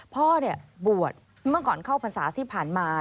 พ่อบวชเมื่อก่อนเข้าพรรษาที่ผ่านมา